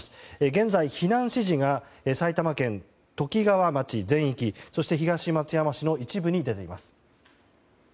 現在、避難指示が埼玉県ときがわ町全域そして、東松山市の一部に出ています。